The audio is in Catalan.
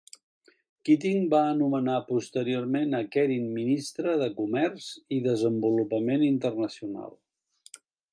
Keating va anomenar posteriorment a Kerin Ministre de Comerç i Desenvolupament Internacional.